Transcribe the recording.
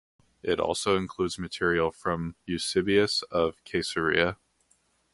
It also includes material from Eusebius of Caesarea.